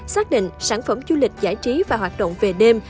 xác định sản phẩm du lịch giải trí và hoạt động về đêm